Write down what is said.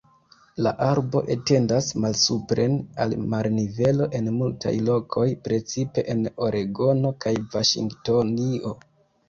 La arbo etendas malsupren al marnivelo en multaj lokoj, precipe en Oregono kaj Vaŝingtonio.